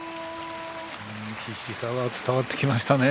必死さは伝わってきましたね